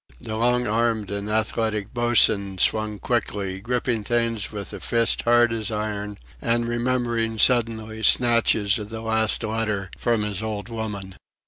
The long armed and athletic boatswain swung quickly, gripping things with a fist hard as iron, and remembering suddenly snatches of the last letter from his "old woman."